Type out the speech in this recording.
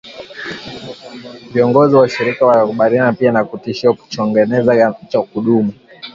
Viongozi wa ushirika wanakabiliwa pia na kitisho kinachoongezeka cha kudumu